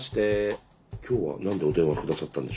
今日は何でお電話下さったんでしょうか。